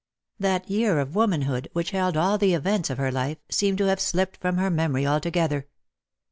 That year of womanhood, which held all the events of her life, seemed to have slipped from her memory altogether.